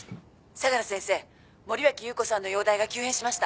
「相良先生森脇裕子さんの容体が急変しました！」